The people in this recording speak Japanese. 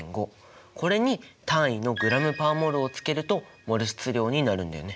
これに単位のｇ／ｍｏｌをつけるとモル質量になるんだよね？